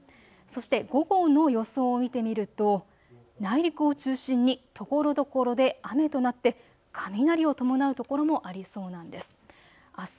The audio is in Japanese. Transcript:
そして午後の予想を見てみると内陸を中心にところどころで雨となって雷を伴う所もありそうなんです。